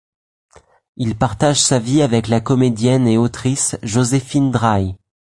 Il partage sa vie avec la comédienne et autrice Joséphine Draï.